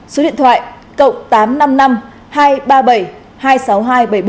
số điện thoại cộng tám trăm năm mươi năm hai trăm ba mươi bảy hai mươi sáu nghìn hai trăm bảy mươi bốn